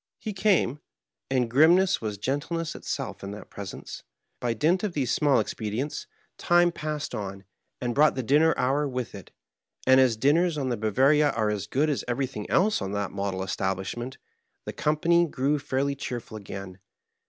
'' He came, and grimness was gentleness itself in that presence. By dint of these small expedients time passed on and hrought the dinner hour with it, and as dinners on the Ba/oaria are as good as everything else on that model estahlishment, the company grew fairly cheerful again.